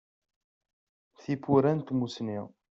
Tiwwura n tmussni.